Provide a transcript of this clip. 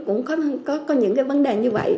cũng có những vấn đề như vậy